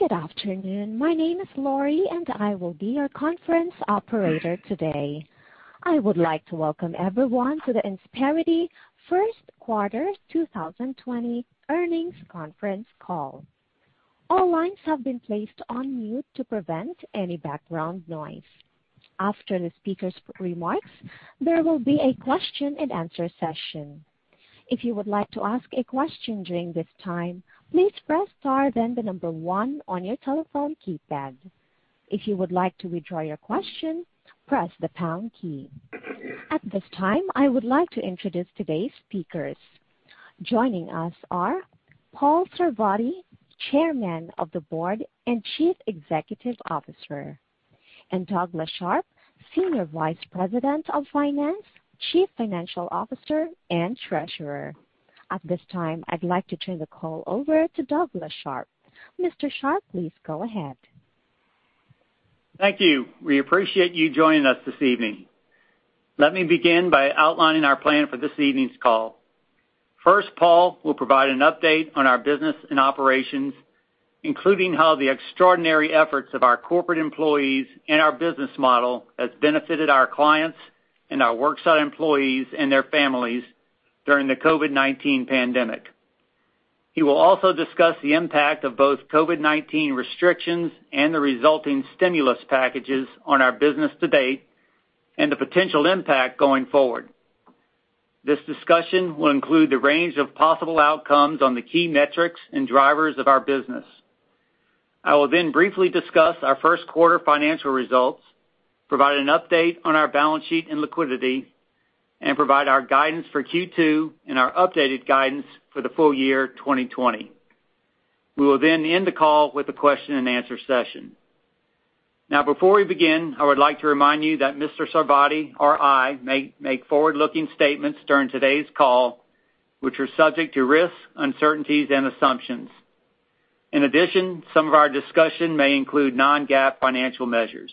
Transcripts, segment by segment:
Good afternoon. My name is Lori, and I will be your conference operator today. I would like to welcome everyone to the Insperity first quarter 2020 earnings conference call. All lines have been placed on mute to prevent any background noise. After the speaker's remarks, there will be a question and answer session. If you would like to ask a question during this time, please press star, then the number one on your telephone keypad. If you would like to withdraw your question, press the pound key. At this time, I would like to introduce today's speakers. Joining us are Paul Sarvadi, Chairman of the Board and Chief Executive Officer, and Douglas Sharp, Senior Vice President of Finance, Chief Financial Officer, and Treasurer. At this time, I'd like to turn the call over to Douglas Sharp. Mr. Sharp, please go ahead. Thank you. We appreciate you joining us this evening. Let me begin by outlining our plan for this evening's call. First, Paul will provide an update on our business and operations, including how the extraordinary efforts of our corporate employees and our business model has benefited our clients and our worksite employees and their families during the COVID-19 pandemic. He will also discuss the impact of both COVID-19 restrictions and the resulting stimulus packages on our business to date and the potential impact going forward. This discussion will include the range of possible outcomes on the key metrics and drivers of our business. I will then briefly discuss our first quarter financial results, provide an update on our balance sheet and liquidity, and provide our guidance for Q2 and our updated guidance for the full year 2020. We will then end the call with a question and answer session. Before we begin, I would like to remind you that Mr. Sarvadi or I may make forward-looking statements during today's call, which are subject to risks, uncertainties, and assumptions. In addition, some of our discussion may include non-GAAP financial measures.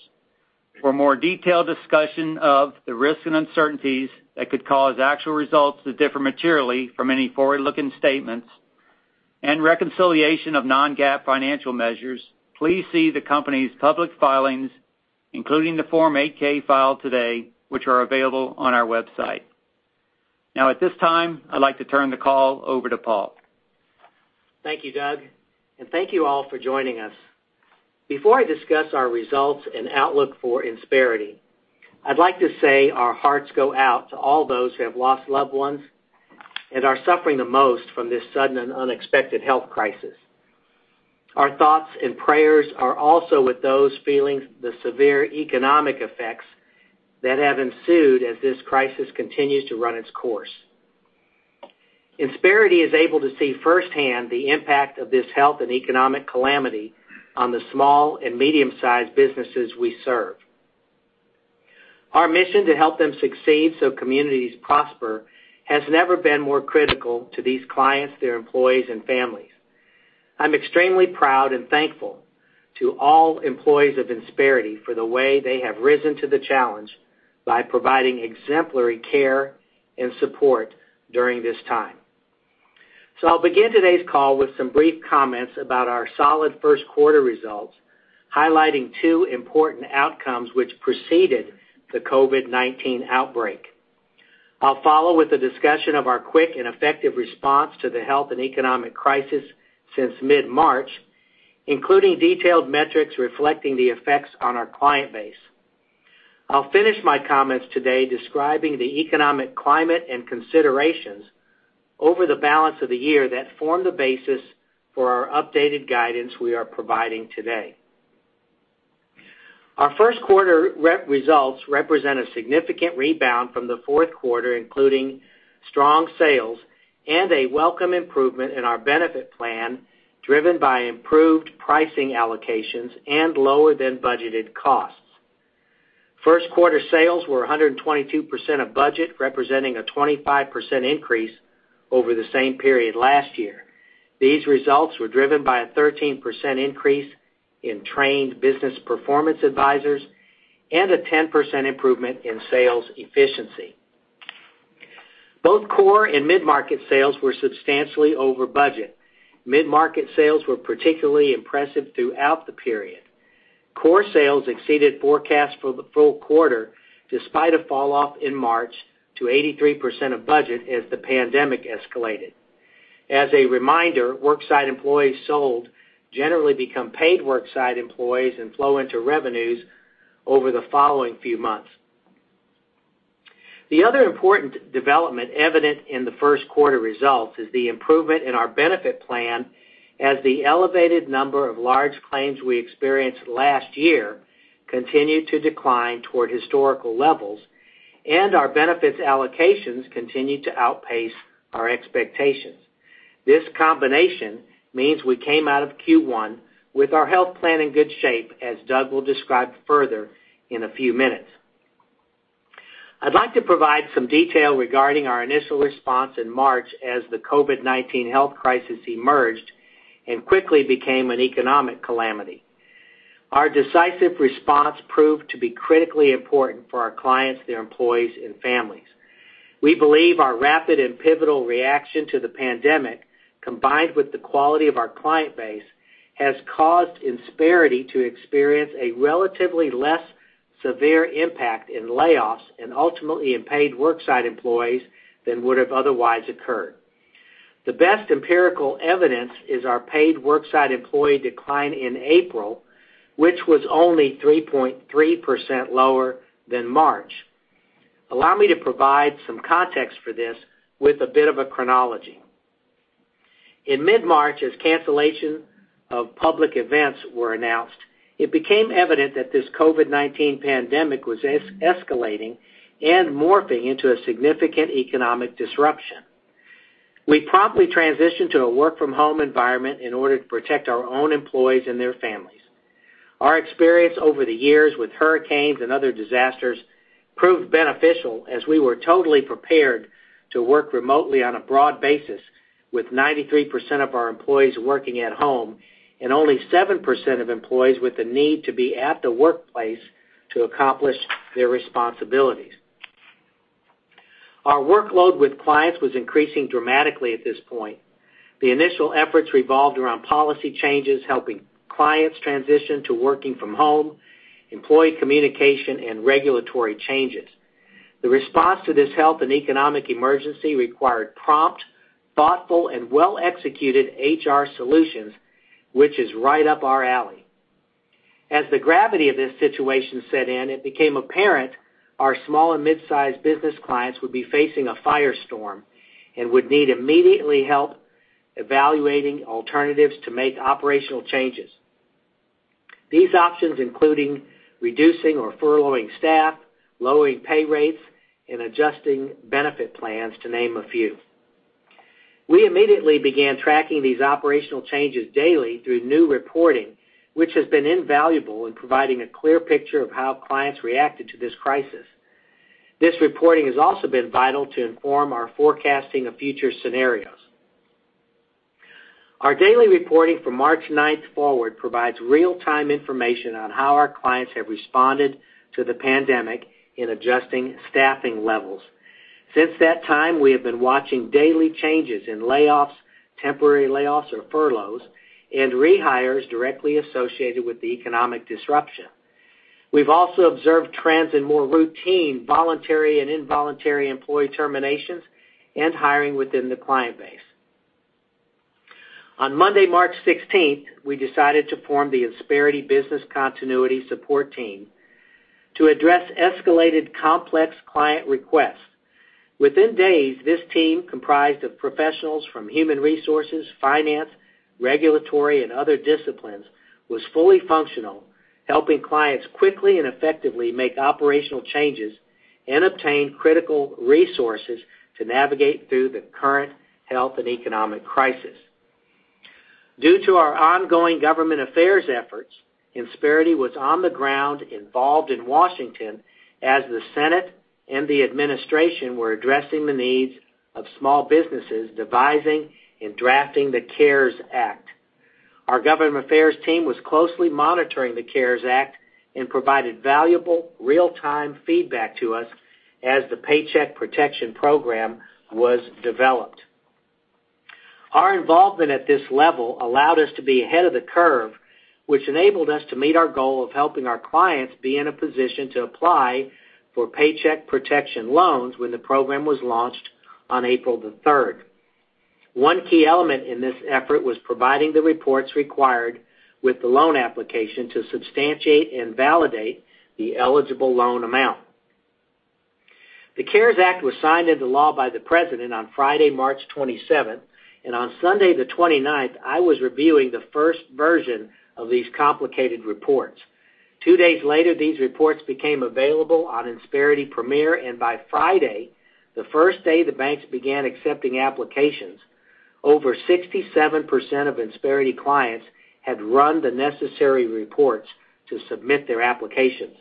For a more detailed discussion of the risks and uncertainties that could cause actual results to differ materially from any forward-looking statements and reconciliation of non-GAAP financial measures, please see the company's public filings, including the Form 8-K filed today, which are available on our website. At this time, I'd like to turn the call over to Paul. Thank you, Doug, and thank you all for joining us. Before I discuss our results and outlook for Insperity, I'd like to say our hearts go out to all those who have lost loved ones and are suffering the most from this sudden and unexpected health crisis. Our thoughts and prayers are also with those feeling the severe economic effects that have ensued as this crisis continues to run its course. Insperity is able to see firsthand the impact of this health and economic calamity on the small and medium-sized businesses we serve. Our mission to help them succeed so communities prosper has never been more critical to these clients, their employees, and families. I'm extremely proud and thankful to all employees of Insperity for the way they have risen to the challenge by providing exemplary care and support during this time. I'll begin today's call with some brief comments about our solid first quarter results, highlighting two important outcomes which preceded the COVID-19 outbreak. I'll follow with a discussion of our quick and effective response to the health and economic crisis since mid-March, including detailed metrics reflecting the effects on our client base. I'll finish my comments today describing the economic climate and considerations over the balance of the year that form the basis for our updated guidance we are providing today. Our first quarter results represent a significant rebound from the fourth quarter, including strong sales and a welcome improvement in our benefit plan, driven by improved pricing allocations and lower than budgeted costs. First quarter sales were 122% of budget, representing a 25% increase over the same period last year. These results were driven by a 13% increase in trained Business Performance Advisors and a 10% improvement in sales efficiency. Both core and mid-market sales were substantially over budget. Mid-market sales were particularly impressive throughout the period. Core sales exceeded forecasts for the full quarter, despite a fall-off in March to 83% of budget as the pandemic escalated. As a reminder, worksite employees sold generally become paid worksite employees and flow into revenues over the following few months. The other important development evident in the first quarter results is the improvement in our benefit plan as the elevated number of large claims we experienced last year continue to decline toward historical levels, and our benefits allocations continue to outpace our expectations. This combination means we came out of Q1 with our health plan in good shape, as Doug will describe further in a few minutes. I'd like to provide some detail regarding our initial response in March as the COVID-19 health crisis emerged and quickly became an economic calamity. Our decisive response proved to be critically important for our clients, their employees, and families. We believe our rapid and pivotal reaction to the pandemic, combined with the quality of our client base, has caused Insperity to experience a relatively less severe impact in layoffs and ultimately in paid work site employees than would have otherwise occurred. The best empirical evidence is our paid work site employee decline in April, which was only 3.3% lower than March. Allow me to provide some context for this with a bit of a chronology. In mid-March, as cancellation of public events were announced, it became evident that this COVID-19 pandemic was escalating and morphing into a significant economic disruption. We promptly transitioned to a work-from-home environment in order to protect our own employees and their families. Our experience over the years with hurricanes and other disasters proved beneficial as we were totally prepared to work remotely on a broad basis with 93% of our employees working at home and only 7% of employees with the need to be at the workplace to accomplish their responsibilities. Our workload with clients was increasing dramatically at this point. The initial efforts revolved around policy changes, helping clients transition to working from home, employee communication, and regulatory changes. The response to this health and economic emergency required prompt, thoughtful, and well-executed HR solutions, which is right up our alley. As the gravity of this situation set in, it became apparent our small and mid-size business clients would be facing a firestorm and would need immediate help evaluating alternatives to make operational changes. These options including reducing or furloughing staff, lowering pay rates, and adjusting benefit plans, to name a few. We immediately began tracking these operational changes daily through new reporting, which has been invaluable in providing a clear picture of how clients reacted to this crisis. This reporting has also been vital to inform our forecasting of future scenarios. Our daily reporting from March 9th forward provides real-time information on how our clients have responded to the pandemic in adjusting staffing levels. Since that time, we have been watching daily changes in layoffs, temporary layoffs or furloughs, and rehires directly associated with the economic disruption. We've also observed trends in more routine voluntary and involuntary employee terminations and hiring within the client base. On Monday, March 16th, we decided to form the Insperity Business Continuity Support Team to address escalated complex client requests. Within days, this team, comprised of professionals from human resources, finance, regulatory, and other disciplines, was fully functional, helping clients quickly and effectively make operational changes and obtain critical resources to navigate through the current health and economic crisis. Due to our ongoing government affairs efforts, Insperity was on the ground involved in Washington as the Senate and the administration were addressing the needs of small businesses, devising and drafting the CARES Act. Our government affairs team was closely monitoring the CARES Act and provided valuable real-time feedback to us as the Paycheck Protection Program was developed. Our involvement at this level allowed us to be ahead of the curve, which enabled us to meet our goal of helping our clients be in a position to apply for Paycheck Protection loans when the program was launched on April the 3rd. One key element in this effort was providing the reports required with the loan application to substantiate and validate the eligible loan amount. The CARES Act was signed into law by the President on Friday, March 27th, and on Sunday the 29th, I was reviewing the first version of these complicated reports. two days later, these reports became available on Insperity Premier, and by Friday, the first day the banks began accepting applications, over 67% of Insperity clients had run the necessary reports to submit their applications.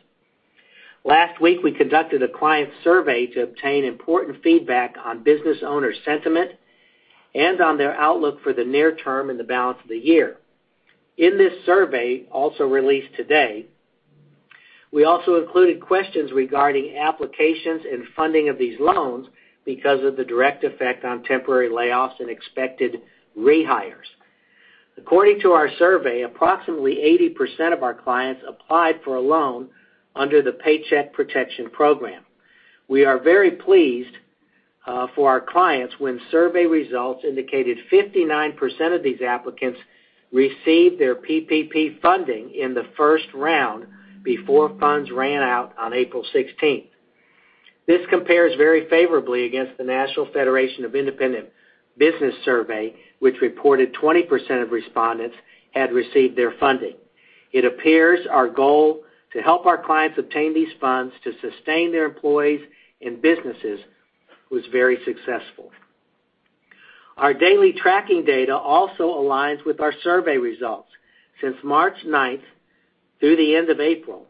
Last week, we conducted a client survey to obtain important feedback on business owner sentiment and on their outlook for the near term and the balance of the year. In this survey, also released today, we also included questions regarding applications and funding of these loans because of the direct effect on temporary layoffs and expected rehires. According to our survey, approximately 80% of our clients applied for a loan under the Paycheck Protection Program. We are very pleased for our clients when survey results indicated 59% of these applicants received their PPP funding in the first round before funds ran out on April 16th. This compares very favorably against the National Federation of Independent Business Survey, which reported 20% of respondents had received their funding. It appears our goal to help our clients obtain these funds to sustain their employees and businesses was very successful. Our daily tracking data also aligns with our survey results. Since March 9th through the end of April,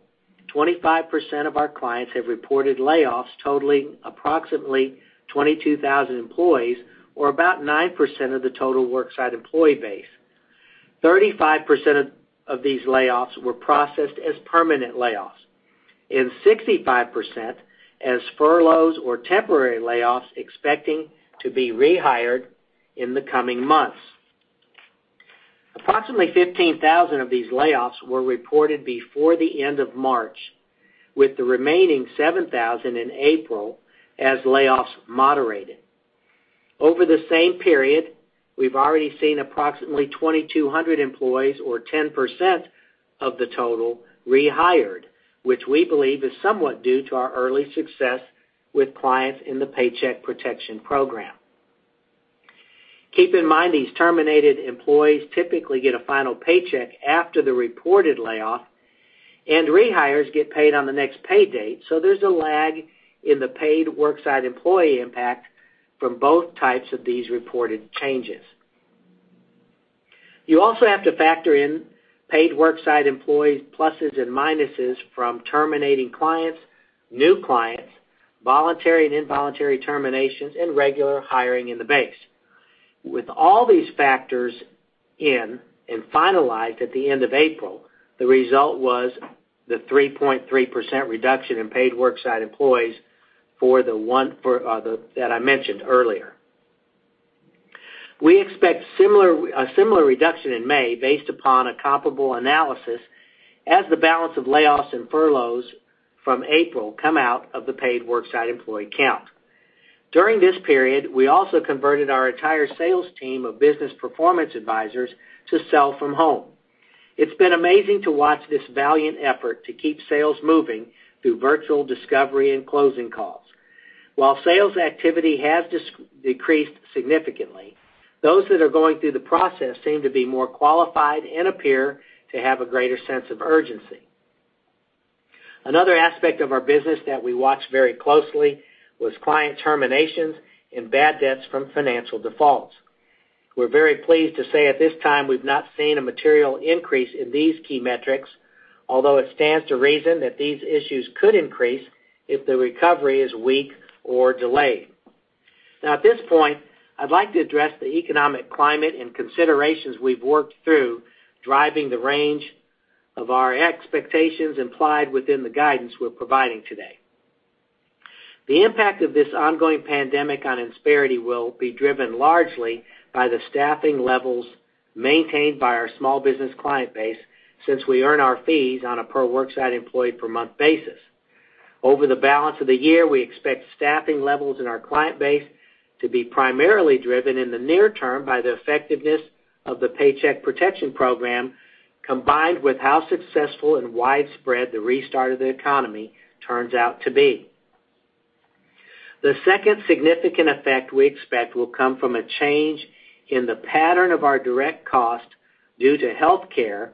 25% of our clients have reported layoffs totaling approximately 22,000 employees, or about 9% of the total worksite employee base. 35% of these layoffs were processed as permanent layoffs, and 65% as furloughs or temporary layoffs expecting to be rehired in the coming months. Approximately 15,000 of these layoffs were reported before the end of March, with the remaining 7,000 in April as layoffs moderated. Over the same period, we've already seen approximately 2,200 employees or 10% of the total rehired, which we believe is somewhat due to our early success with clients in the Paycheck Protection Program. Keep in mind, these terminated employees typically get a final paycheck after the reported layoff, and rehires get paid on the next pay date, so there's a lag in the paid worksite employee impact from both types of these reported changes. You also have to factor in paid worksite employee pluses and minuses from terminating clients, new clients, voluntary and involuntary terminations, and regular hiring in the base. With all these factors in and finalized at the end of April, the result was the 3.3% reduction in paid worksite employees that I mentioned earlier. We expect a similar reduction in May based upon a comparable analysis as the balance of layoffs and furloughs from April come out of the paid worksite employee count. During this period, we also converted our entire sales team of Business Performance Advisors to sell from home. It's been amazing to watch this valiant effort to keep sales moving through virtual discovery and closing calls. While sales activity has decreased significantly, those that are going through the process seem to be more qualified and appear to have a greater sense of urgency. Another aspect of our business that we watched very closely was client terminations and bad debts from financial defaults. We're very pleased to say at this time, we've not seen a material increase in these key metrics, although it stands to reason that these issues could increase if the recovery is weak or delayed. Now, at this point, I'd like to address the economic climate and considerations we've worked through driving the range of our expectations implied within the guidance we're providing today. The impact of this ongoing pandemic on Insperity will be driven largely by the staffing levels maintained by our small business client base since we earn our fees on a per worksite employee per month basis. Over the balance of the year, we expect staffing levels in our client base to be primarily driven in the near term by the effectiveness of the Paycheck Protection Program, combined with how successful and widespread the restart of the economy turns out to be. The second significant effect we expect will come from a change in the pattern of our direct cost due to healthcare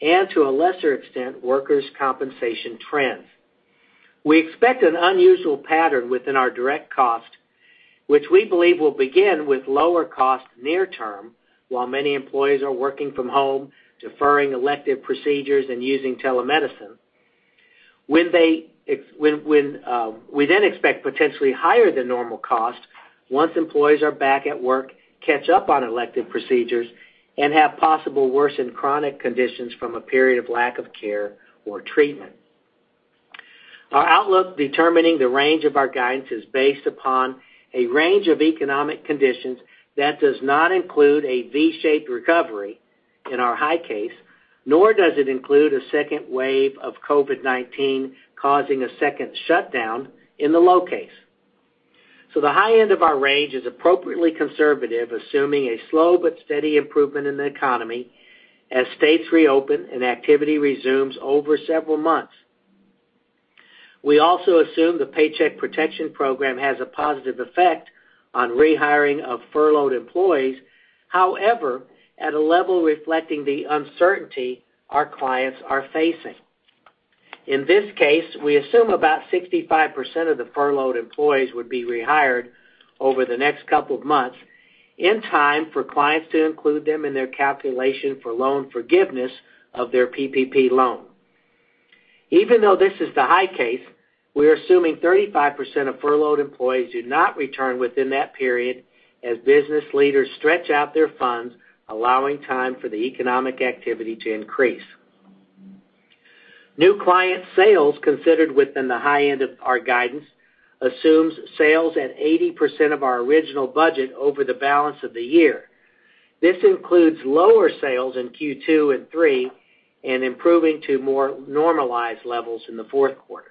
and to a lesser extent, workers' compensation trends. We expect an unusual pattern within our direct cost, which we believe will begin with lower cost near term while many employees are working from home, deferring elective procedures, and using telemedicine. We then expect potentially higher than normal cost once employees are back at work, catch up on elective procedures, and have possible worsened chronic conditions from a period of lack of care or treatment. Our outlook determining the range of our guidance is based upon a range of economic conditions that does not include a V-shaped recovery in our high case, nor does it include a second wave of COVID-19 causing a second shutdown in the low case. The high end of our range is appropriately conservative, assuming a slow but steady improvement in the economy as states reopen and activity resumes over several months. We also assume the Paycheck Protection Program has a positive effect on rehiring of furloughed employees. However, at a level reflecting the uncertainty our clients are facing. In this case, we assume about 65% of the furloughed employees would be rehired over the next couple of months in time for clients to include them in their calculation for loan forgiveness of their PPP loan. Even though this is the high case, we are assuming 35% of furloughed employees do not return within that period as business leaders stretch out their funds, allowing time for the economic activity to increase. New client sales considered within the high end of our guidance assumes sales at 80% of our original budget over the balance of the year. This includes lower sales in Q2 and Q3 and improving to more normalized levels in the fourth quarter.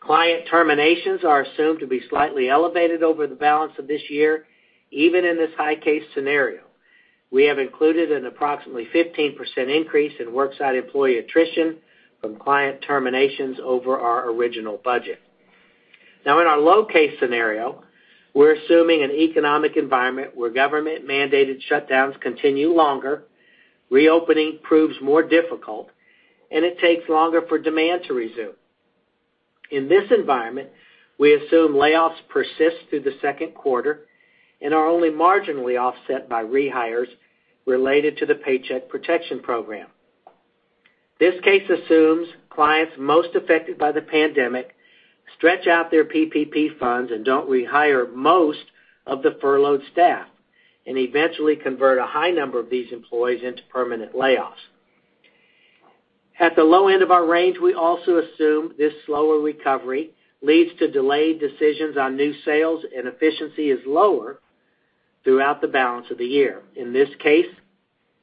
Client terminations are assumed to be slightly elevated over the balance of this year. Even in this high case scenario, we have included an approximately 15% increase in worksite employee attrition from client terminations over our original budget. Now in our low case scenario, we're assuming an economic environment where government-mandated shutdowns continue longer, reopening proves more difficult, and it takes longer for demand to resume. In this environment, we assume layoffs persist through the second quarter and are only marginally offset by rehires related to the Paycheck Protection Program. This case assumes clients most affected by the pandemic stretch out their PPP funds and don't rehire most of the furloughed staff and eventually convert a high number of these employees into permanent layoffs. At the low end of our range, we also assume this slower recovery leads to delayed decisions on new sales and efficiency is lower throughout the balance of the year. In this case,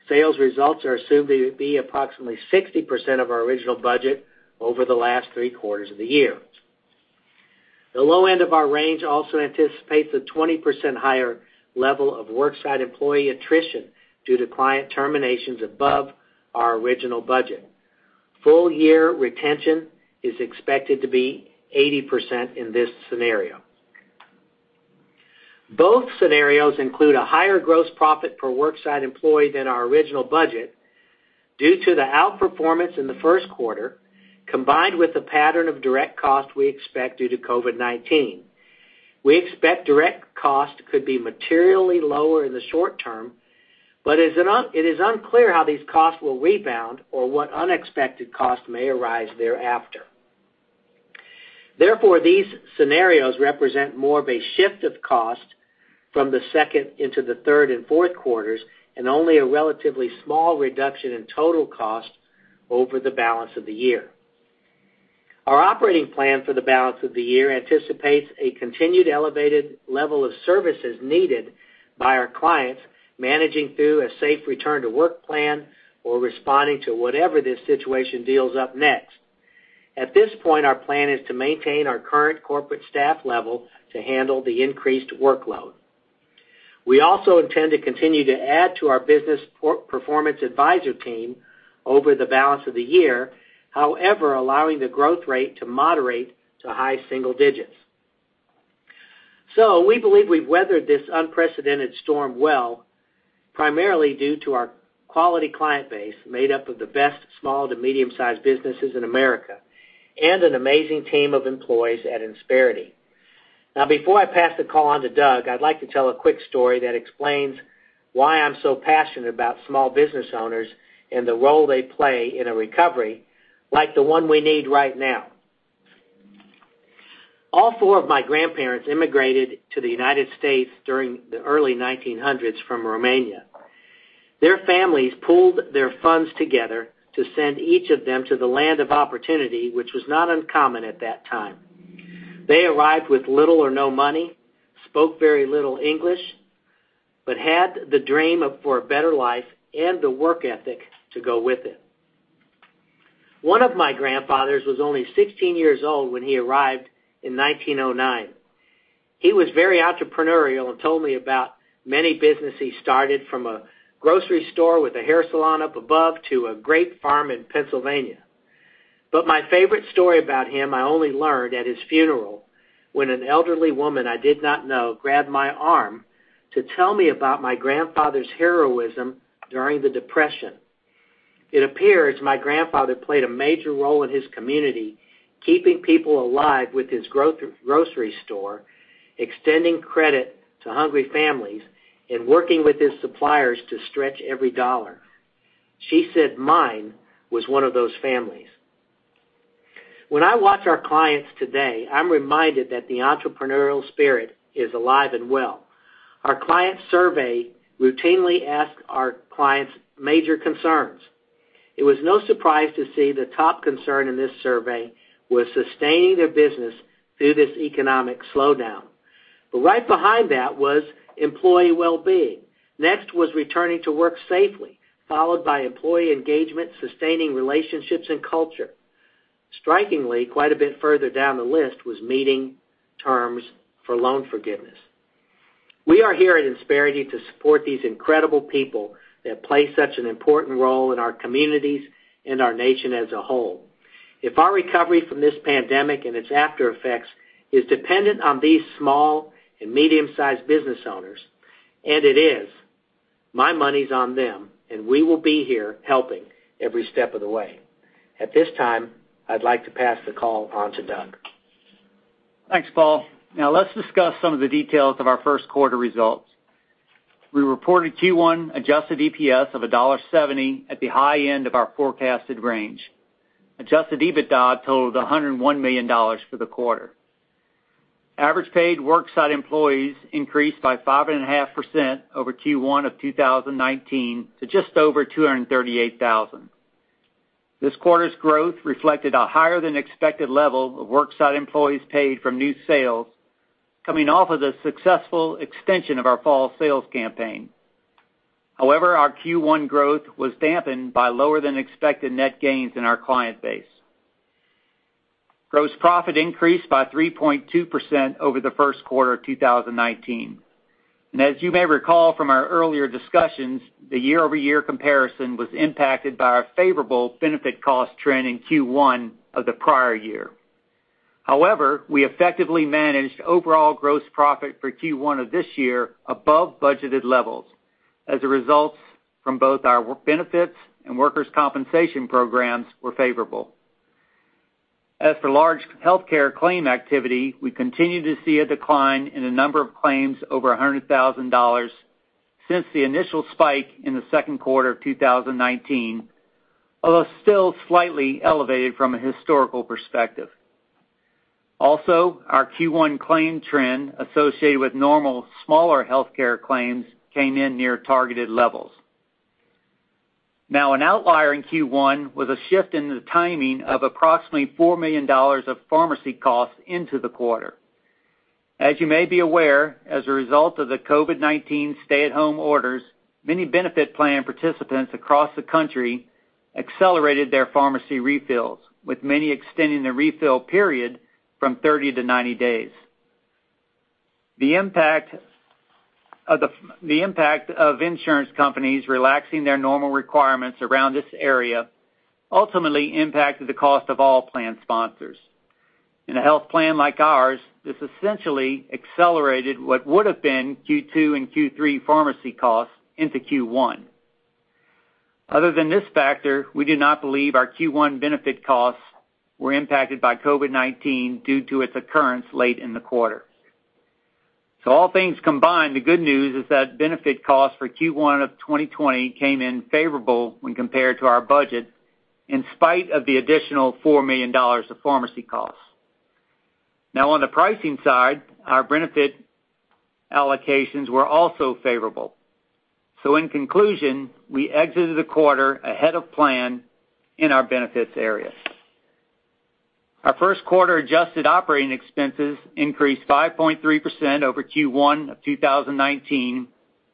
sales results are assumed to be approximately 60% of our original budget over the last three quarters of the year. The low end of our range also anticipates a 20% higher level of worksite employee attrition due to client terminations above our original budget. Full-year retention is expected to be 80% in this scenario. Both scenarios include a higher gross profit per worksite employee than our original budget due to the outperformance in the first quarter, combined with the pattern of direct cost we expect due to COVID-19. We expect direct cost could be materially lower in the short term, but it is unclear how these costs will rebound or what unexpected costs may arise thereafter. Therefore, these scenarios represent more of a shift of cost from the second into the third and fourth quarters, and only a relatively small reduction in total cost over the balance of the year. Our operating plan for the balance of the year anticipates a continued elevated level of services needed by our clients managing through a safe return-to-work plan or responding to whatever this situation deals up next. At this point, our plan is to maintain our current corporate staff level to handle the increased workload. We also intend to continue to add to our business performance advisor team over the balance of the year, however, allowing the growth rate to moderate to high single digits. We believe we've weathered this unprecedented storm well, primarily due to our quality client base made up of the best small to medium-sized businesses in America, and an amazing team of employees at Insperity. Before I pass the call on to Doug, I'd like to tell a quick story that explains why I'm so passionate about small business owners and the role they play in a recovery like the one we need right now. All four of my grandparents immigrated to the United States during the early 1900s from Romania. Their families pooled their funds together to send each of them to the land of opportunity, which was not uncommon at that time. They arrived with little or no money, spoke very little English, but had the dream for a better life and the work ethic to go with it. One of my grandfathers was only 16 years old when he arrived in 1909. He was very entrepreneurial and told me about many business he started from a grocery store with a hair salon up above to a great farm in Pennsylvania. My favorite story about him I only learned at his funeral, when an elderly woman I did not know grabbed my arm to tell me about my grandfather's heroism during the Depression. It appears my grandfather played a major role in his community, keeping people alive with his grocery store, extending credit to hungry families, and working with his suppliers to stretch every dollar. She said mine was one of those families. When I watch our clients today, I'm reminded that the entrepreneurial spirit is alive and well. Our client survey routinely asks our clients' major concerns. It was no surprise to see the top concern in this survey was sustaining their business through this economic slowdown. Right behind that was employee wellbeing. Next was returning to work safely, followed by employee engagement, sustaining relationships and culture. Strikingly, quite a bit further down the list was meeting terms for loan forgiveness. We are here at Insperity to support these incredible people that play such an important role in our communities and our nation as a whole. If our recovery from this pandemic and its aftereffects is dependent on these small and medium-sized business owners, and it is, my money's on them, and we will be here helping every step of the way. At this time, I'd like to pass the call on to Doug. Thanks, Paul. Let's discuss some of the details of our first quarter results. We reported Q1 adjusted EPS of $1.70 at the high end of our forecasted range. Adjusted EBITDA totaled $101 million for the quarter. Average paid worksite employees increased by 5.5% over Q1 of 2019 to just over 238,000. This quarter's growth reflected a higher-than-expected level of worksite employees paid from new sales coming off of the successful extension of our fall sales campaign. Our Q1 growth was dampened by lower than expected net gains in our client base. Gross profit increased by 3.2% over the first quarter of 2019. As you may recall from our earlier discussions, the year-over-year comparison was impacted by our favorable benefit cost trend in Q1 of the prior year. However, we effectively managed overall gross profit for Q1 of this year above budgeted levels. As a result from both our worksite benefits and workers' compensation programs were favorable. As for large healthcare claim activity, we continue to see a decline in a number of claims over $100,000 since the initial spike in the second quarter of 2019, although still slightly elevated from a historical perspective. Also, our Q1 claim trend associated with normal smaller healthcare claims came in near targeted levels. Now, an outlier in Q1 was a shift in the timing of approximately $4 million of pharmacy costs into the quarter. As you may be aware, as a result of the COVID-19 stay-at-home orders, many benefit plan participants across the country accelerated their pharmacy refills, with many extending the refill period from 30-90 days. The impact of insurance companies relaxing their normal requirements around this area ultimately impacted the cost of all plan sponsors. In a health plan like ours, this essentially accelerated what would have been Q2 and Q3 pharmacy costs into Q1. Other than this factor, we do not believe our Q1 benefit costs were impacted by COVID-19 due to its occurrence late in the quarter. All things combined, the good news is that benefit costs for Q1 of 2020 came in favorable when compared to our budget, in spite of the additional $4 million of pharmacy costs. Now on the pricing side, our benefit allocations were also favorable. In conclusion, we exited the quarter ahead of plan in our benefits area. Our first quarter adjusted operating expenses increased 5.3% over Q1 of 2019,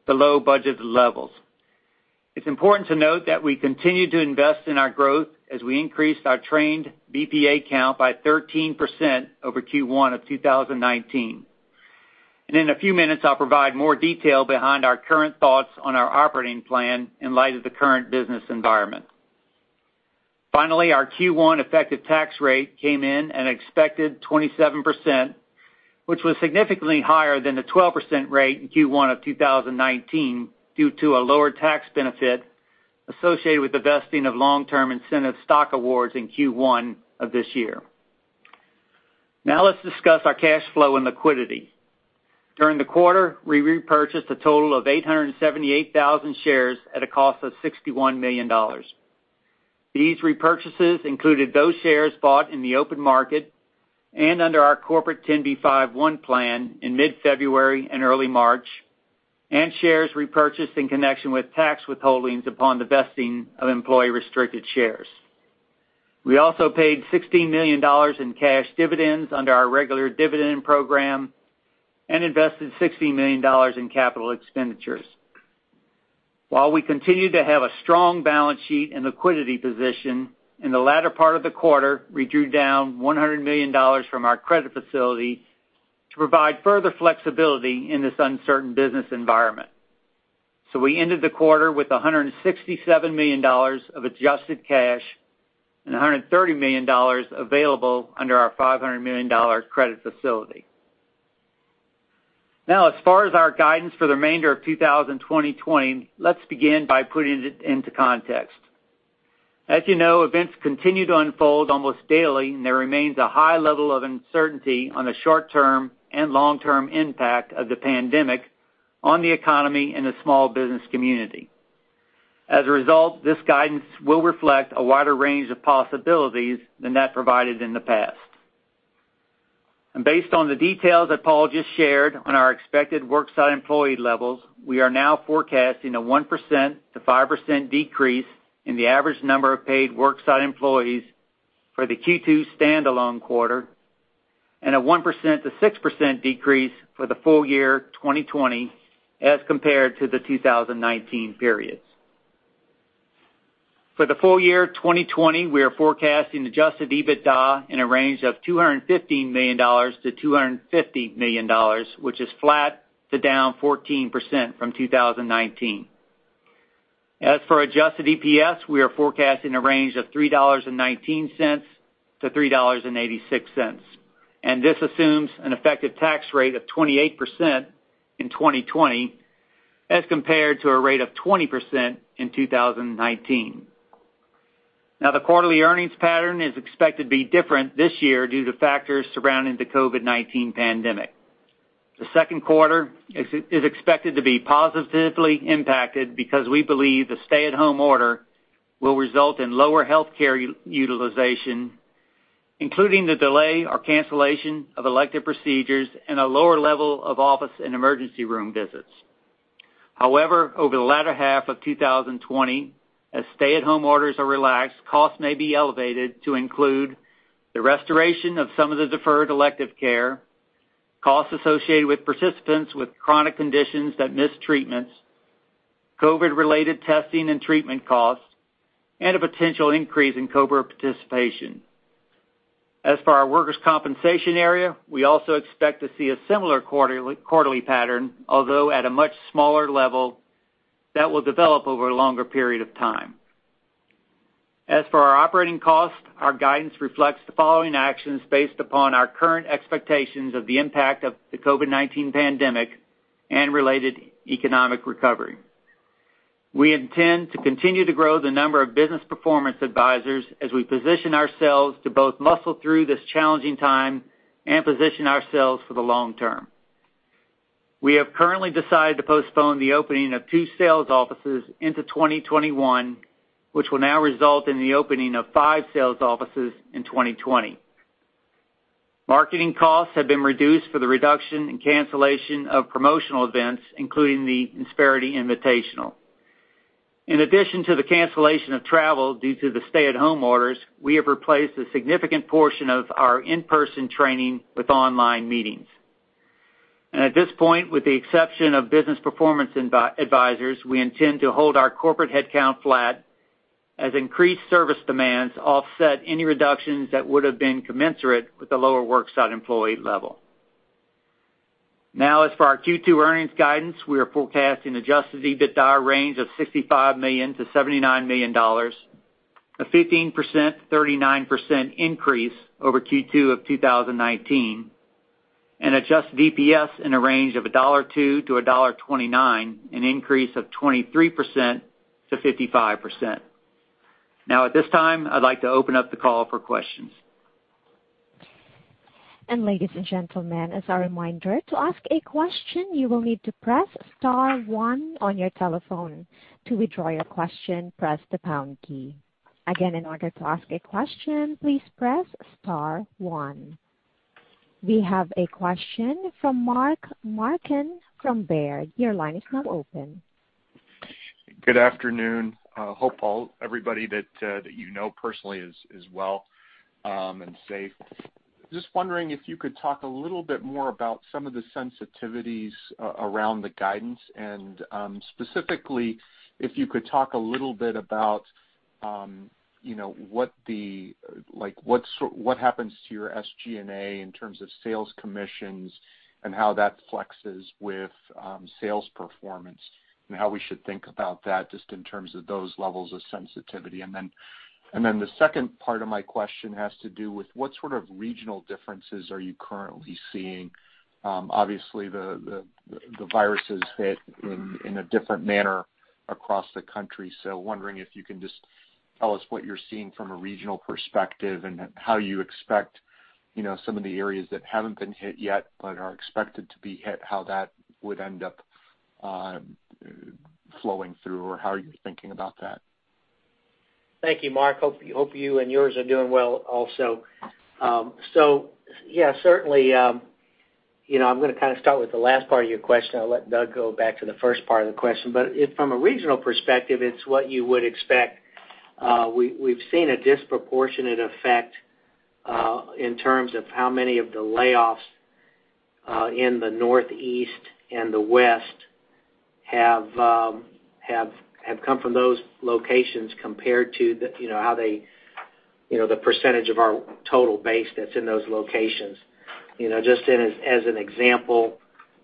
below budgeted levels. It's important to note that we continue to invest in our growth as we increased our trained BPA count by 13% over Q1 of 2019. In a few minutes, I'll provide more detail behind our current thoughts on our operating plan in light of the current business environment. Finally, our Q1 effective tax rate came in an expected 27%, which was significantly higher than the 12% rate in Q1 of 2019 due to a lower tax benefit associated with the vesting of long-term incentive stock awards in Q1 of this year. Now let's discuss our cash flow and liquidity. During the quarter, we repurchased a total of 878,000 shares at a cost of $61 million. These repurchases included those shares bought in the open market and under our corporate 10b5-1 plan in mid-February and early March, and shares repurchased in connection with tax withholdings upon the vesting of employee restricted shares. We also paid $16 million in cash dividends under our regular dividend program and invested $16 million in capital expenditures. While we continue to have a strong balance sheet and liquidity position, in the latter part of the quarter, we drew down $100 million from our credit facility to provide further flexibility in this uncertain business environment. We ended the quarter with $167 million of adjusted cash and $130 million available under our $500 million credit facility. As far as our guidance for the remainder of 2020, let's begin by putting it into context. As you know, events continue to unfold almost daily, and there remains a high level of uncertainty on the short-term and long-term impact of the pandemic on the economy and the small business community. As a result, this guidance will reflect a wider range of possibilities than that provided in the past. Based on the details that Paul just shared on our expected work site employee levels, we are now forecasting a 1%-5% decrease in the average number of paid work site employees for the Q2 standalone quarter and a 1%-6% decrease for the full year 2020 as compared to the 2019 periods. For the full year 2020, we are forecasting adjusted EBITDA in a range of $215 million-$250 million, which is flat to down 14% from 2019. As for adjusted EPS, we are forecasting a range of $3.19-$3.86. This assumes an effective tax rate of 28% in 2020 as compared to a rate of 20% in 2019. The quarterly earnings pattern is expected to be different this year due to factors surrounding the COVID-19 pandemic. The second quarter is expected to be positively impacted because we believe the stay-at-home order will result in lower healthcare utilization, including the delay or cancellation of elective procedures and a lower level of office and emergency room visits. Over the latter half of 2020, as stay-at-home orders are relaxed, costs may be elevated to include the restoration of some of the deferred elective care, costs associated with participants with chronic conditions that missed treatments, COVID-related testing and treatment costs, and a potential increase in COBRA participation. As for our workers' compensation area, we also expect to see a similar quarterly pattern, although at a much smaller level that will develop over a longer period of time. As for our operating costs, our guidance reflects the following actions based upon our current expectations of the impact of the COVID-19 pandemic and related economic recovery. We intend to continue to grow the number of Business Performance Advisors as we position ourselves to both muscle through this challenging time and position ourselves for the long term. We have currently decided to postpone the opening of two sales offices into 2021, which will now result in the opening of five sales offices in 2020. Marketing costs have been reduced for the reduction and cancellation of promotional events, including the Insperity Invitational. In addition to the cancellation of travel due to the stay-at-home orders, we have replaced a significant portion of our in-person training with online meetings. At this point, with the exception of Business Performance Advisors, we intend to hold our corporate headcount flat as increased service demands offset any reductions that would've been commensurate with the lower worksite employee level. As for our Q2 earnings guidance, we are forecasting adjusted EBITDA range of $65 million-$79 million, a 15%-39% increase over Q2 of 2019, and adjusted EPS in a range of $1.02-$1.29, an increase of 23% to 55%. At this time, I'd like to open up the call for questions. Ladies and gentlemen, as a reminder, to ask a question, you will need to press star one on your telephone. To withdraw your question, press the pound key. Again, in order to ask a question, please press star one. We have a question from Mark Marcon from Baird. Your line is now open. Good afternoon. Hope everybody that you know personally is well and safe. Just wondering if you could talk a little bit more about some of the sensitivities around the guidance and, specifically, if you could talk a little bit about what happens to your SG&A in terms of sales commissions and how that flexes with sales performance and how we should think about that just in terms of those levels of sensitivity. The second part of my question has to do with what sort of regional differences are you currently seeing? Obviously, the virus has hit in a different manner across the country. Wondering if you can just tell us what you're seeing from a regional perspective and how you expect some of the areas that haven't been hit yet but are expected to be hit, how that would end up flowing through or how you're thinking about that? Thank you, Mark. Hope you and yours are doing well also. Yeah, certainly, I'm going to start with the last part of your question. I'll let Doug go back to the first part of the question. From a regional perspective, it's what you would expect. We've seen a disproportionate effect, in terms of how many of the layoffs in the Northeast and the West have come from those locations compared to the percentage of our total base that's in those locations. Just as an example,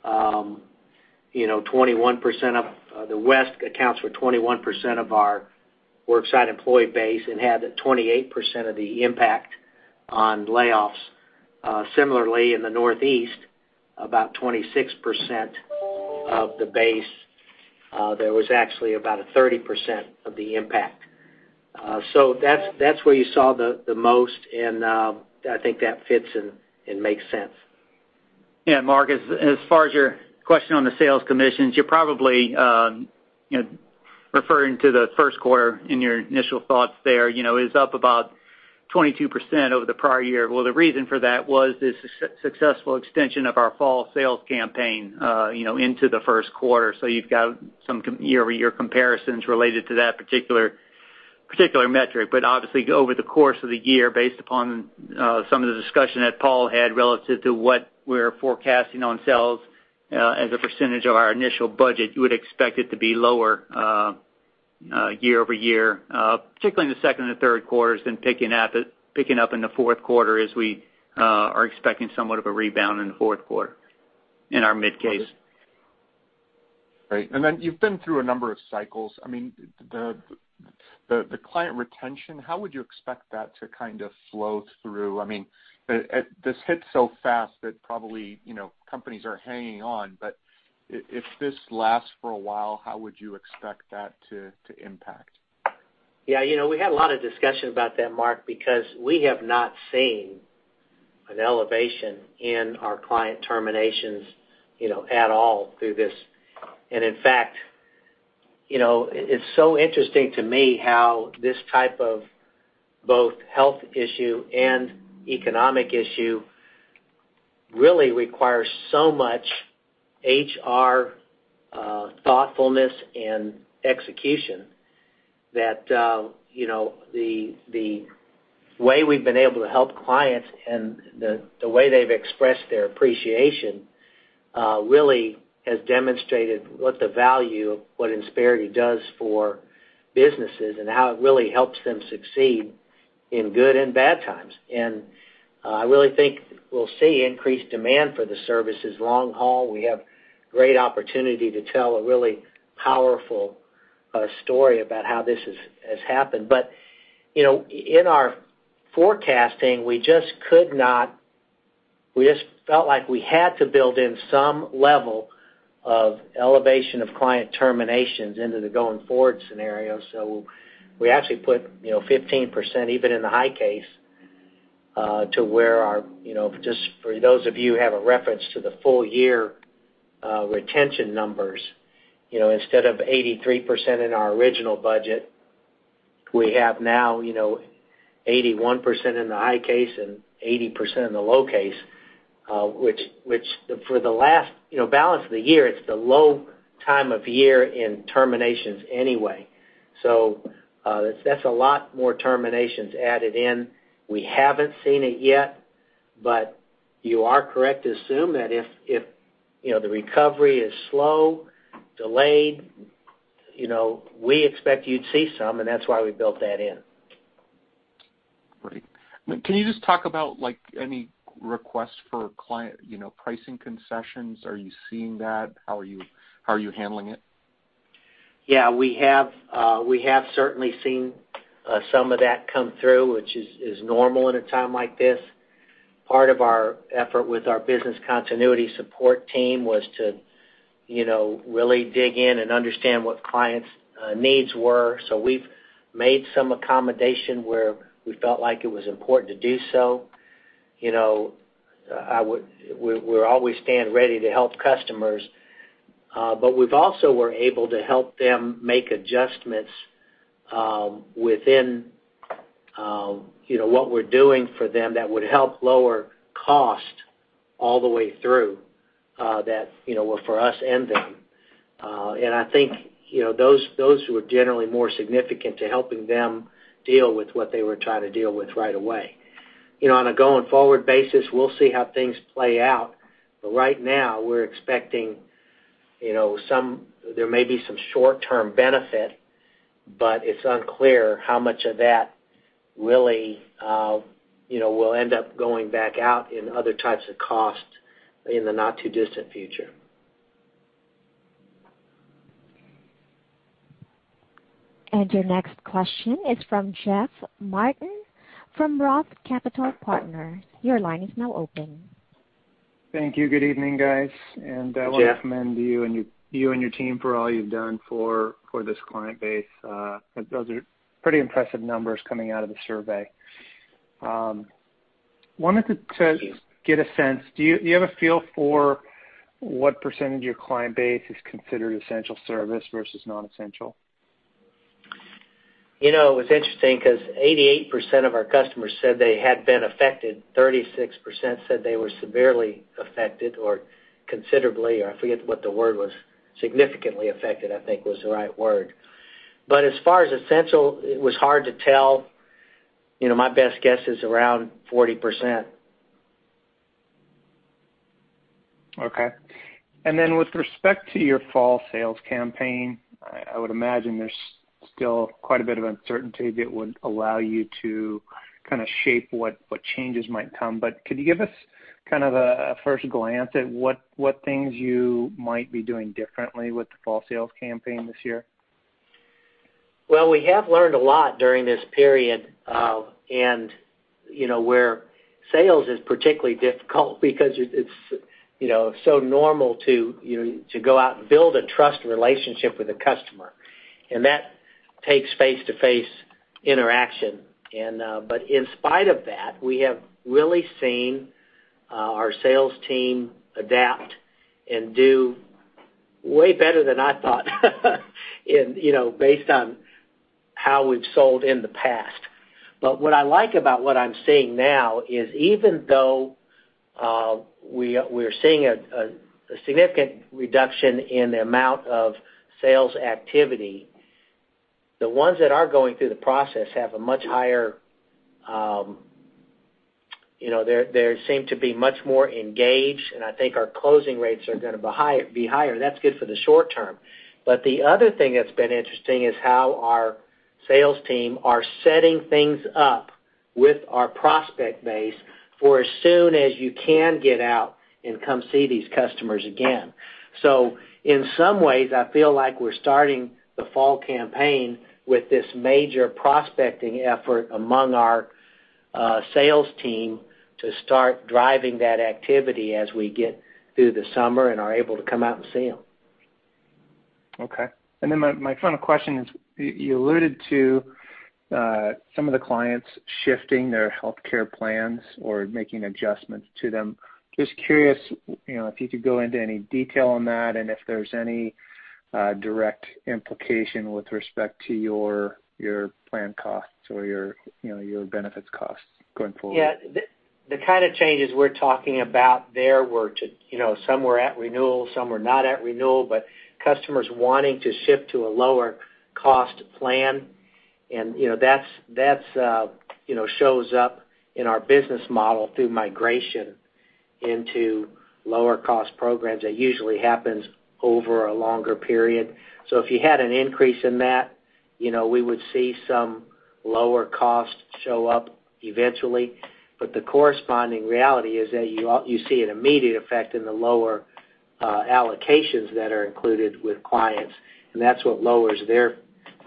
the West accounts for 21% of our worksite employee base and had 28% of the impact on layoffs. Similarly, in the Northeast, about 26% of the base, there was actually about a 30% of the impact. That's where you saw the most and I think that fits and makes sense. Yeah, Mark, as far as your question on the sales commissions, you're probably referring to the first quarter in your initial thoughts there. It was up about 22% over the prior year. Well, the reason for that was the successful extension of our fall sales campaign into the first quarter. You've got some year-over-year comparisons related to that particular metric. Obviously over the course of the year, based upon some of the discussion that Paul had relative to what we're forecasting on sales as a percentage of our initial budget, you would expect it to be lower year-over-year. Particularly in the second and third quarters than picking up in the fourth quarter as we are expecting somewhat of a rebound in the fourth quarter in our mid case. Right. You've been through a number of cycles. The client retention, how would you expect that to flow through? This hit so fast that probably companies are hanging on. If this lasts for a while, how would you expect that to impact? We had a lot of discussion about that, Mark, because we have not seen an elevation in our client terminations at all through this. In fact, it's so interesting to me how this type of both health issue and economic issue really requires so much HR thoughtfulness and execution that the way we've been able to help clients and the way they've expressed their appreciation really has demonstrated what the value of what Insperity does for businesses and how it really helps them succeed. In good and bad times. I really think we'll see increased demand for the services long haul. We have great opportunity to tell a really powerful story about how this has happened. In our forecasting, we just felt like we had to build in some level of elevation of client terminations into the going forward scenario. We actually put 15%, even in the high case, to where our Just for those of you who have a reference to the full-year retention numbers, instead of 83% in our original budget, we have now 81% in the high case and 80% in the low case, which for the balance of the year, it's the low time of year in terminations anyway. That's a lot more terminations added in. We haven't seen it yet, but you are correct to assume that if the recovery is slow, delayed, we expect you'd see some, and that's why we built that in. Great. Can you just talk about, any requests for pricing concessions? Are you seeing that? How are you handling it? Yeah. We have certainly seen some of that come through, which is normal in a time like this. Part of our effort with our Business Continuity Support Team was to really dig in and understand what clients' needs were. We've made some accommodation where we felt like it was important to do so. We always stand ready to help customers. We've also were able to help them make adjustments within what we're doing for them that would help lower cost all the way through that, well, for us and them. I think those who are generally more significant to helping them deal with what they were trying to deal with right away. On a going forward basis, we'll see how things play out. Right now, we're expecting there may be some short-term benefit, but it's unclear how much of that really will end up going back out in other types of costs in the not too distant future. Your next question is from Jeff Martin from Roth Capital Partners. Your line is now open. Thank you. Good evening, guys. Hey, Jeff. I want to commend you and your team for all you've done for this client base. Those are pretty impressive numbers coming out of the survey. I wanted to get a sense, do you have a feel for what % of your client base is considered essential service versus non-essential? It was interesting because 88% of our customers said they had been affected, 36% said they were severely affected or considerably, or I forget what the word was. Significantly affected, I think was the right word. As far as essential, it was hard to tell. My best guess is around 40%. Okay. Then with respect to your fall sales campaign, I would imagine there's still quite a bit of uncertainty that would allow you to kind of shape what changes might come. Could you give us kind of a first glance at what things you might be doing differently with the fall sales campaign this year? Well, we have learned a lot during this period, where sales is particularly difficult because it's so normal to go out and build a trust relationship with a customer, and that takes face-to-face interaction. In spite of that, we have really seen our sales team adapt and do way better than I thought based on how we've sold in the past. What I like about what I'm seeing now is even though we're seeing a significant reduction in the amount of sales activity, the ones that are going through the process seem to be much more engaged, and I think our closing rates are going to be higher. That's good for the short term. The other thing that's been interesting is how our sales team are setting things up with our prospect base for as soon as you can get out and come see these customers again. In some ways, I feel like we're starting the fall campaign with this major prospecting effort among our sales team to start driving that activity as we get through the summer and are able to come out and see them. Okay. My final question is, you alluded to some of the clients shifting their healthcare plans or making adjustments to them. Just curious, if you could go into any detail on that and if there's any direct implication with respect to your plan costs or your benefits costs going forward. Yeah. The kind of changes we're talking about there were some were at renewal, some were not at renewal, but customers wanting to shift to a lower cost plan. That shows up in our business model through migration into lower cost programs. That usually happens over a longer period. If you had an increase in that, we would see some lower costs show up eventually. The corresponding reality is that you see an immediate effect in the lower allocations that are included with clients, and that's what lowers their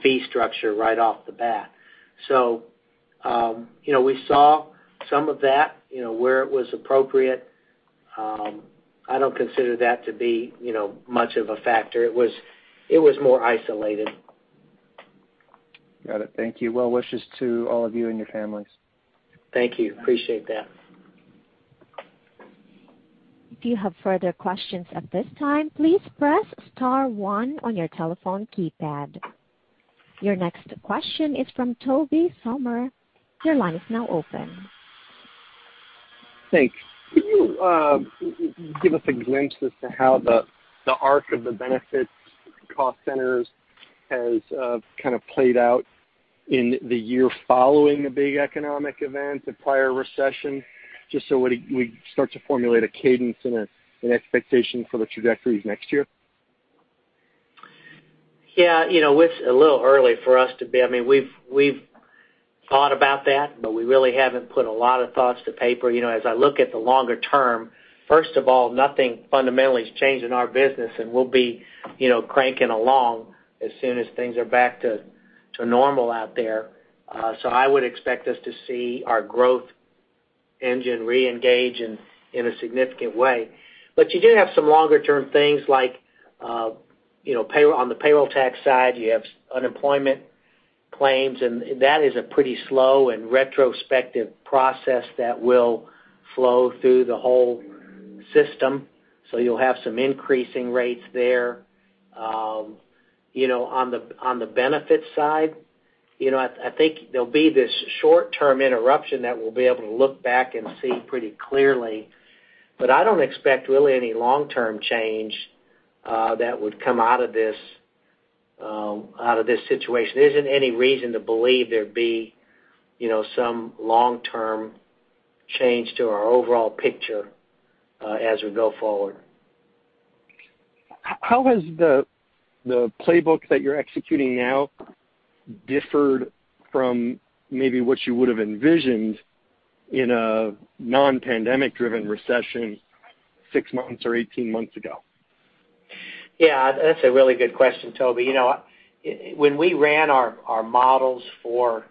fee structure right off the bat. We saw some of that, where it was appropriate. I don't consider that to be much of a factor. It was more isolated. Got it. Thank you. Well wishes to all of you and your families. Thank you. Appreciate that. If you have further questions at this time, please press star one on your telephone keypad. Your next question is from Tobey Sommer. Your line is now open. Thanks. Could you give us a glimpse as to how the arc of the benefits cost centers has kind of played out in the year following the big economic event, the prior recession, just so we start to formulate a cadence and an expectation for the trajectories next year? It's a little early for us to be, I mean, we've thought about that, but we really haven't put a lot of thoughts to paper. As I look at the longer term, first of all, nothing fundamentally has changed in our business, and we'll be cranking along as soon as things are back to normal out there. I would expect us to see our growth engine reengage in a significant way. You do have some longer-term things like, on the payroll tax side, you have unemployment claims, and that is a pretty slow and retrospective process that will flow through the whole system. You'll have some increasing rates there. On the benefits side, I think there'll be this short-term interruption that we'll be able to look back and see pretty clearly. I don't expect really any long-term change that would come out of this situation. There isn't any reason to believe there'd be some long-term change to our overall picture as we go forward. How has the playbook that you're executing now differed from maybe what you would have envisioned in a non-pandemic driven recession six months or 18 months ago? That's a really good question, Tobey. When we ran our models for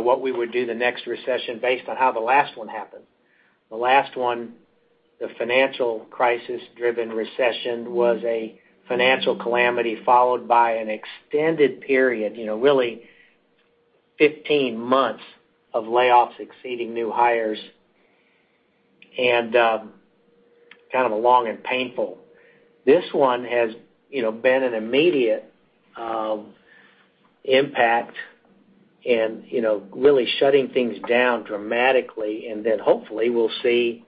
what we would do the next recession based on how the last one happened, the last one, the financial crisis-driven recession, was a financial calamity followed by an extended period, really 15 months of layoffs exceeding new hires, and kind of long and painful. This one has been an immediate impact and really shutting things down dramatically, and then hopefully we'll see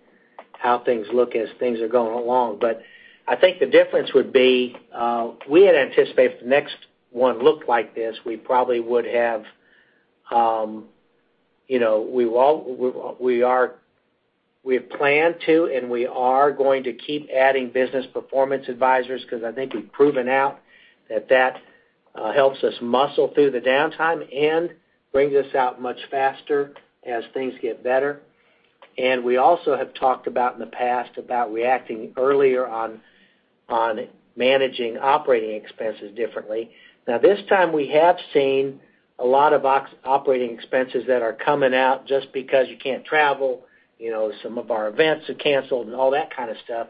how things look as things are going along. I think the difference would be, we had anticipated if the next one looked like this, we have planned to, and we are going to keep adding Business Performance Advisors because I think we've proven out that that helps us muscle through the downtime and brings us out much faster as things get better. We also have talked about in the past about reacting earlier on managing operating expenses differently. This time we have seen a lot of operating expenses that are coming out just because you can't travel. Some of our events are canceled and all that kind of stuff.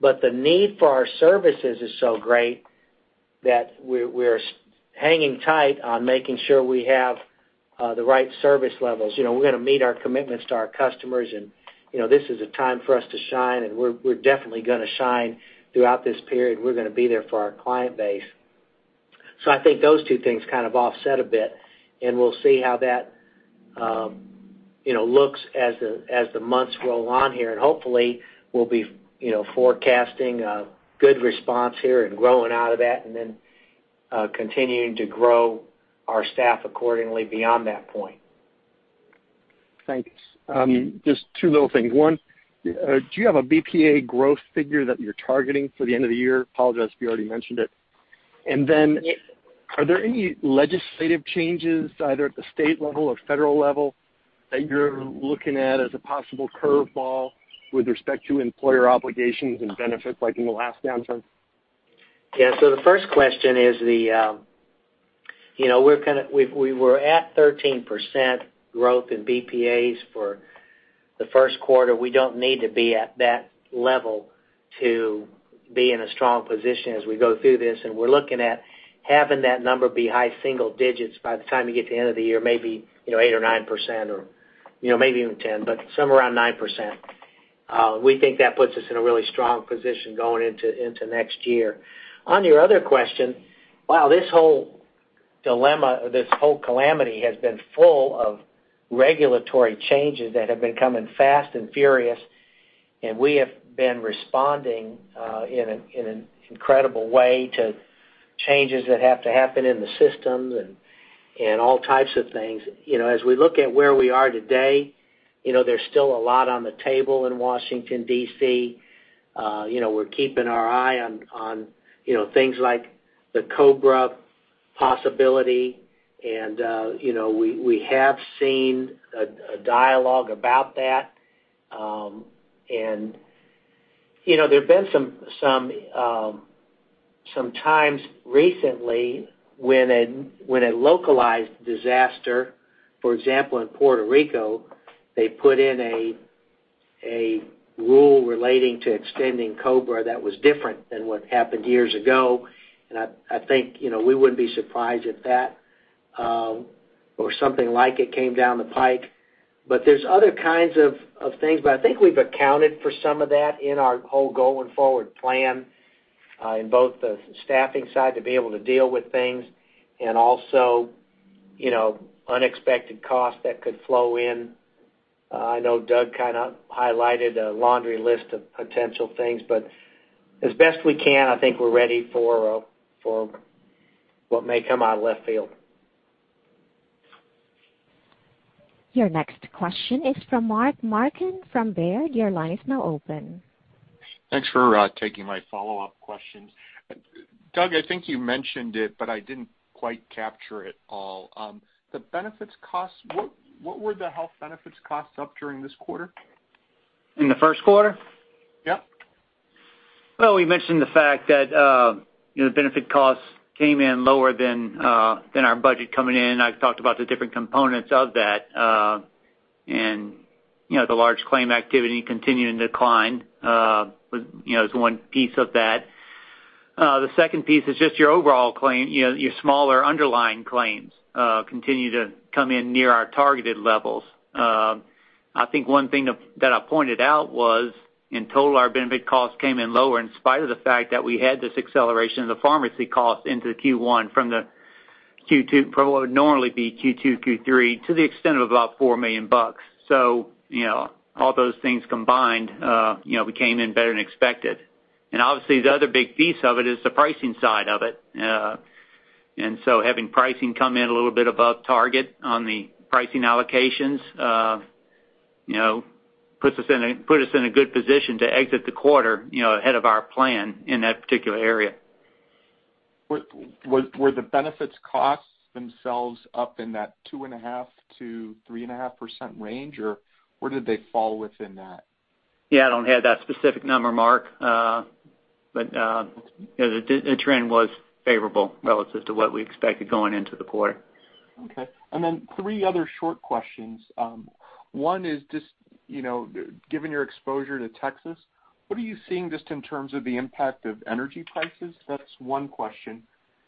The need for our services is so great that we're hanging tight on making sure we have the right service levels. We're going to meet our commitments to our customers, and this is a time for us to shine, and we're definitely going to shine throughout this period. We're going to be there for our client base. I think those two things kind of offset a bit, and we'll see how that looks as the months roll on here. Hopefully, we'll be forecasting a good response here and growing out of that, and then continuing to grow our staff accordingly beyond that point. Thanks. Just two little things. One, do you have a BPA growth figure that you're targeting for the end of the year? Apologize if you already mentioned it. Are there any legislative changes, either at the state level or federal level, that you're looking at as a possible curve ball with respect to employer obligations and benefits like in the last downturn? The first question is the We were at 13% growth in BPAs for the first quarter. We don't need to be at that level to be in a strong position as we go through this, and we're looking at having that number be high single digits by the time you get to the end of the year, maybe 8% or 9%, or maybe even 10%, but somewhere around 9%. We think that puts us in a really strong position going into next year. On your other question, wow, this whole dilemma, this whole calamity, has been full of regulatory changes that have been coming fast and furious. We have been responding in an incredible way to changes that have to happen in the systems and all types of things. As we look at where we are today, there's still a lot on the table in Washington, D.C. We're keeping our eye on things like the COBRA possibility, and we have seen a dialogue about that. There have been some times recently when a localized disaster, for example, in Puerto Rico, they put in a rule relating to extending COBRA that was different than what happened years ago. I think we wouldn't be surprised if that or something like it came down the pike. There's other kinds of things, but I think we've accounted for some of that in our whole going forward plan, in both the staffing side to be able to deal with things and also, unexpected costs that could flow in. I know Doug kind of highlighted a laundry list of potential things, but as best we can, I think we're ready for what may come out of left field. Your next question is from Mark Marcon from Baird. Your line is now open. Thanks for taking my follow-up questions. Doug, I think you mentioned it, but I didn't quite capture it all. The benefits costs, what were the health benefits costs up during this quarter? In the first quarter? Yep. Well, we mentioned the fact that the benefit costs came in lower than our budget coming in. I've talked about the different components of that. The large claim activity continuing to decline, is one piece of that. The second piece is just your overall claim. Your smaller underlying claims continue to come in near our targeted levels. I think one thing that I pointed out was, in total, our benefit costs came in lower in spite of the fact that we had this acceleration of the pharmacy cost into Q1 from what would normally be Q2, Q3 to the extent of about $4 million. All those things combined, we came in better than expected. Obviously, the other big piece of it is the pricing side of it. Having pricing come in a little bit above target on the pricing allocations, put us in a good position to exit the quarter ahead of our plan in that particular area. Were the benefits costs themselves up in that 2.5%-3.5%, or where did they fall within that? Yeah, I don't have that specific number, Mark. The trend was favorable relative to what we expected going into the quarter. Okay. Then three other short questions. One is just, given your exposure to Texas, what are you seeing just in terms of the impact of energy prices? That's one question.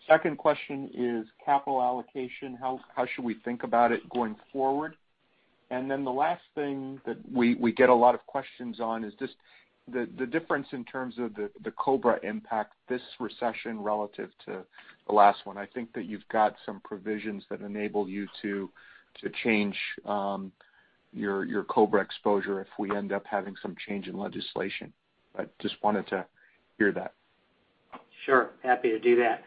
Second question is capital allocation. How should we think about it going forward? Then the last thing that we get a lot of questions on is just the difference in terms of the COBRA impact this recession relative to the last one. I think that you've got some provisions that enable you to change your COBRA exposure if we end up having some change in legislation. I just wanted to hear that. Sure, happy to do that.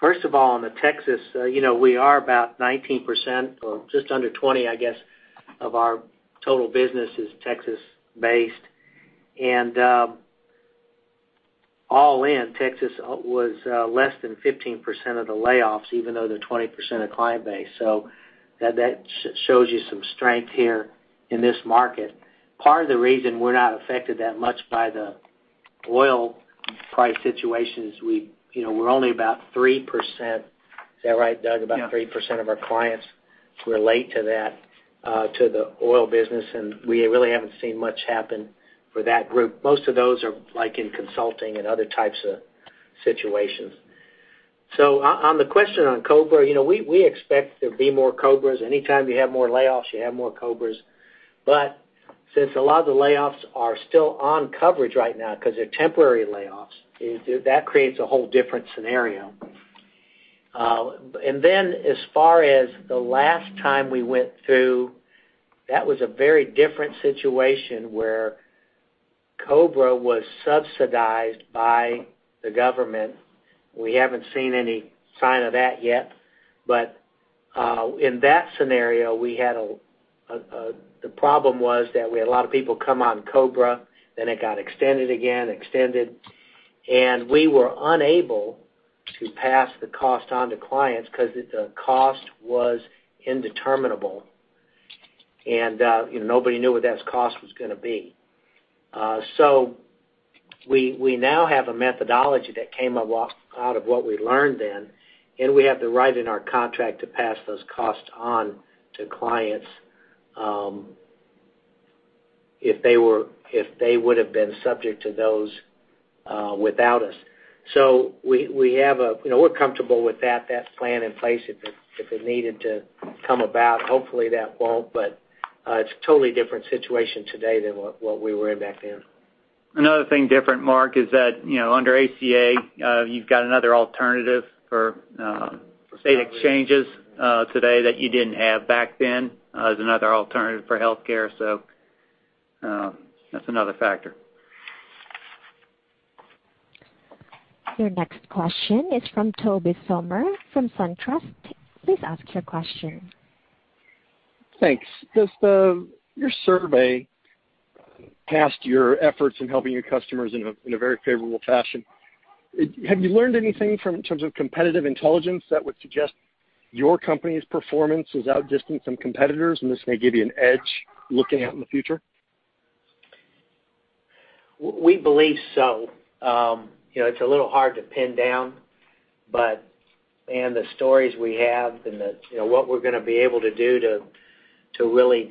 First of all, on the Texas, we are about 19%, or just under 20%, I guess, of our total business is Texas-based. All in, Texas was less than 15% of the layoffs, even though they're 20% of the client base. That shows you some strength here, in this market. Part of the reason we're not affected that much by the oil price situation is we're only about 3%. Is that right, Doug? Yeah. About 3% of our clients relate to the oil business, we really haven't seen much happen for that group. Most of those are in consulting and other types of situations. On the question on COBRA, we expect there'll be more COBRAs. Anytime you have more layoffs, you have more COBRAs. Since a lot of the layoffs are still on coverage right now because they're temporary layoffs, that creates a whole different scenario. As far as the last time we went through, that was a very different situation where COBRA was subsidized by the government. We haven't seen any sign of that yet. In that scenario, the problem was that we had a lot of people come on COBRA, then it got extended again. We were unable to pass the cost on to clients because the cost was indeterminable. Nobody knew what that cost was going to be. We now have a methodology that came out of what we learned then, and we have the right in our contract to pass those costs on to clients, if they would have been subject to those without us. We're comfortable with that plan in place if it needed to come about. Hopefully, that won't, but it's a totally different situation today than what we were in back then. Another thing different, Mark, is that under ACA, you've got another alternative for state exchanges today that you didn't have back then as another alternative for healthcare. That's another factor. Your next question is from Tobey Sommer from Truist. Please ask your question. Thanks. Your survey passed your efforts in helping your customers in a very favorable fashion. Have you learned anything in terms of competitive intelligence that would suggest your company's performance is outdistancing some competitors, and this may give you an edge looking out in the future? We believe so. It's a little hard to pin down, and the stories we have and what we're going to be able to do to really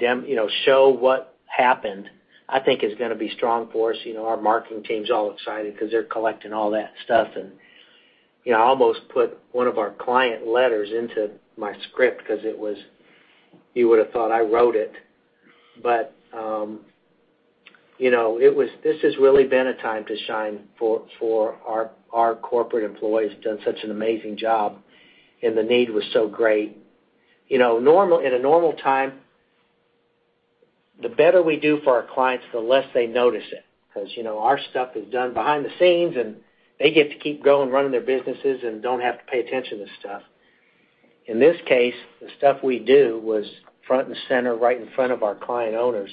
show what happened, I think is going to be strong for us. Our marketing team's all excited because they're collecting all that stuff. I almost put one of our client letters into my script because you would've thought I wrote it. This has really been a time to shine for our corporate employees who've done such an amazing job, and the need was so great. In a normal time, the better we do for our clients, the less they notice it. Our stuff is done behind the scenes, and they get to keep going, running their businesses, and don't have to pay attention to stuff. In this case, the stuff we do was front and center, right in front of our client owners.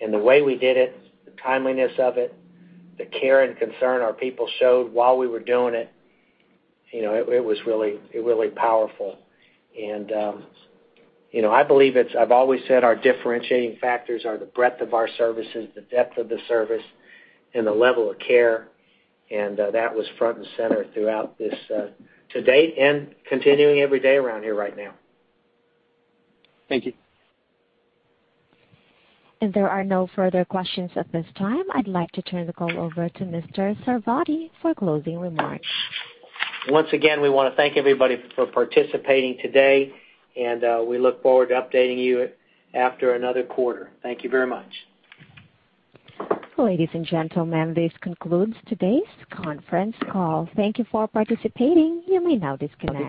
The way we did it, the timeliness of it, the care and concern our people showed while we were doing it was really powerful. I believe it's, I've always said our differentiating factors are the breadth of our services, the depth of the service, and the level of care, and that was front and center throughout this to date and continuing every day around here right now. Thank you. There are no further questions at this time. I'd like to turn the call over to Mr. Sarvadi for closing remarks. Once again, we want to thank everybody for participating today, and we look forward to updating you after another quarter. Thank you very much. Ladies and gentlemen, this concludes today's conference call. Thank you for participating. You may now disconnect.